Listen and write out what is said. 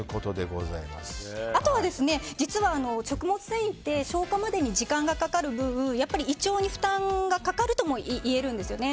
あとは実は食物繊維って消化までに時間がかかる分やっぱり胃腸が負担にかかるともいえるんですよね。